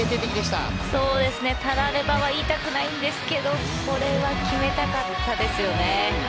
たらればは言いたくないんですけどこれは決めたかったですね。